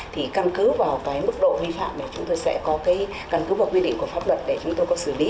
thì căn cứ vào cái mức độ vi phạm để chúng tôi sẽ có cái căn cứ và quy định của pháp luật để chúng tôi có xử lý